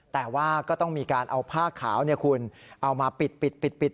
แต่ว่าก็ต้องมีการเอาผ้าขาวเอามาปิด